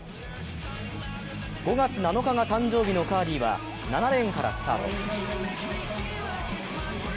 ５月７日が誕生日のカーリーは、７レーンからスタート。